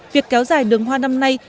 việc kéo dài đường hoa năm nay